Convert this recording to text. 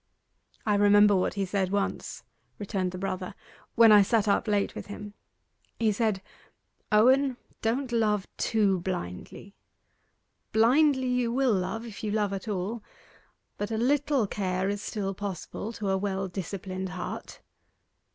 'I remember what he said once,' returned the brother, 'when I sat up late with him. He said, "Owen, don't love too blindly: blindly you will love if you love at all, but a little care is still possible to a well disciplined heart.